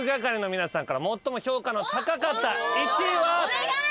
お願い！